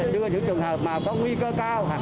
đưa những trường hợp mà có nguy cơ cao